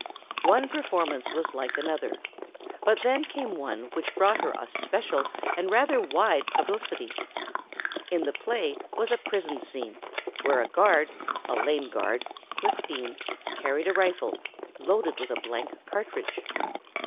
One performance was like another; but then came one which brought her a special and rather wide publicity. In the play was a prison scene, where a guard, a lame guard, Cliff Dean, carried a rifle, loaded with a blank cartridge.